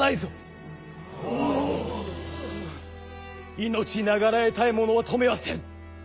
命長らえたい者は止めはせん。